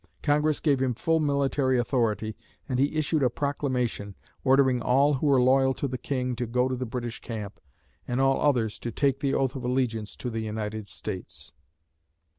Congress gave him full military authority and he issued a proclamation, ordering all who were loyal to the King to go to the British camp and all others to take the oath of allegiance to the United States.